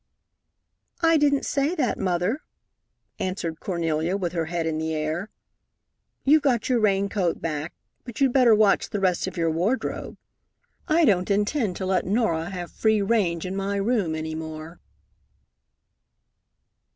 "I didn't say that, Mother," answered Cornelia, with her head in the air. "You've got your rain coat back, but you'd better watch the rest of your wardrobe. I don't intend to let Norah have free range in my room any more."